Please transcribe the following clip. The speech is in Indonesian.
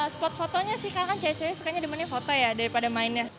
spot fotonya sih karena kan cewek cewek sukanya dimana foto ya daripada mainnya